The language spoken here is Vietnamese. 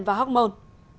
và hóc môn